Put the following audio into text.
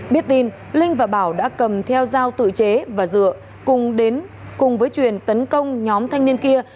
biết tin linh và bảo đã cầm theo dao tự chế và dựa cùng đến cùng với truyền tấn công nhóm thanh niên kia